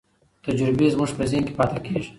تجربې زموږ په ذهن کې پاتې کېږي.